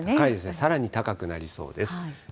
さらに高くなりそうです。